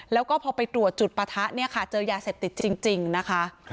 แล้วก็พอไปตรวจจุดปะทะเนี่ยค่ะเจอยาเสพติดจริงนะคะ